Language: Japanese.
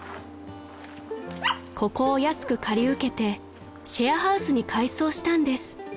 ［ここを安く借り受けてシェアハウスに改装したんです］